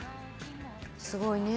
すごいね。